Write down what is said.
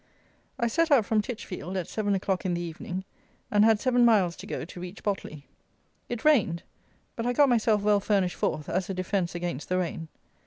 I set out from Titchfield at 7 o'clock in the evening, and had seven miles to go to reach Botley. It rained, but I got myself well furnished forth as a defence against the rain.